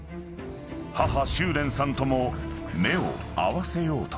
［母秋蓮さんとも目を合わせようとしない］